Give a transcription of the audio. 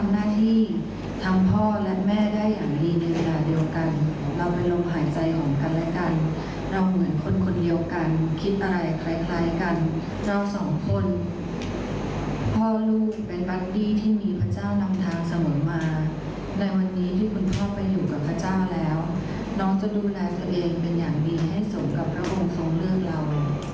ในวันนี้ที่คุณพ่อไปอยู่กับพระเจ้าแล้วน้องจะดูแลตัวเองเป็นอย่างดีให้ส่งกับพระองค์ของเลือกเรา